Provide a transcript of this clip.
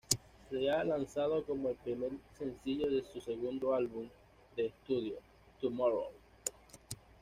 Se ha lanzado como el primer sencillo de su segundo álbum de estudio "Tomorrow".